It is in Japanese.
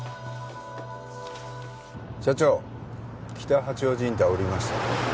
社長北八王子インター降りました。